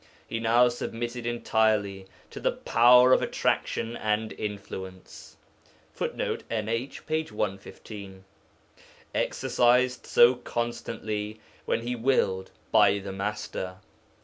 He now submitted entirely to the power of attraction and influence [Footnote: NH, p. 115.] exercised so constantly, when He willed, by the Master.